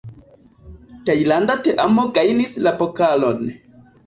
Tajlanda teamo gajnis la pokalon.